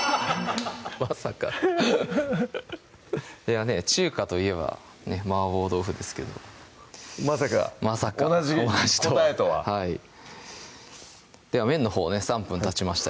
まさかそりゃね中華といえば麻婆豆腐ですけどまさか同じ答えとははいでは麺のほうね３分たちました